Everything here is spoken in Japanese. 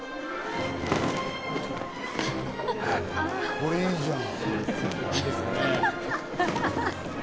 これ、いいじゃん！